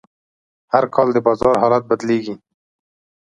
هر کال د بازار حالت بدلېږي.